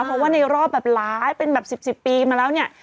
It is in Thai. เพราะว่าในรอบแบบหลายเป็นแบบ๑๐ปีมาแล้วเนี่ย